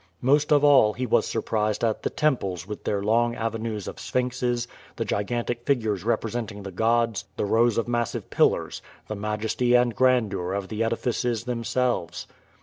Most of all he was surprised at the temples with their long avenues of sphinxes, the gigantic figures representing the gods, the rows of massive pillars, the majesty and grandeur of the edifices themselves.